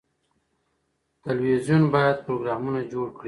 تلویزیون باید پروګرامونه جوړ کړي.